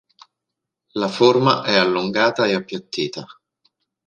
La forma è allungata e appiattita.